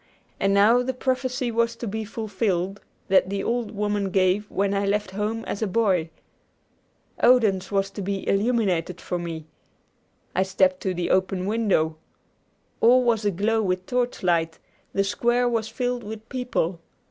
And now the prophecy was to be fulfilled that the old woman gave when I left home as a boy. Odense was to be illuminated for me. I stepped to the open window. All was aglow with torchlight, the square was filled with people.